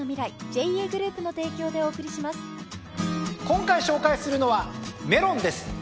今回紹介するのはメロンです。